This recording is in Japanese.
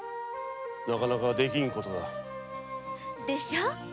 なかなかできん事だ。でしょ。